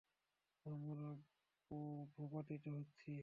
আমরা ভূপাতিত হচ্ছি।